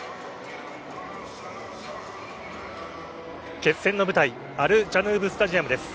決戦の舞台アルジャヌーブスタジアムです。